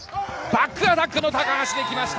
バックアタックの高橋できました。